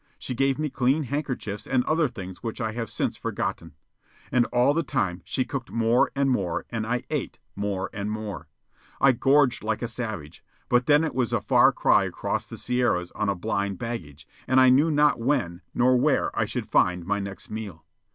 She gave me clean handkerchiefs and other things which I have since forgotten. And all the time she cooked more and more and I ate more and more. I gorged like a savage; but then it was a far cry across the Sierras on a blind baggage, and I knew not when nor where I should find my next meal.